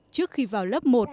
trước khi vào lớp một